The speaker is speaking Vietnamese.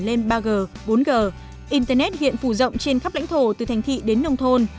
tiếp tục phát triển lên ba g bốn g internet hiện phủ rộng trên khắp lãnh thổ từ thành thị đến nông thôn